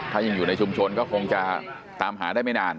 ถ้ายังอยู่ในชุมชนก็คงจะตามหาได้ไม่นาน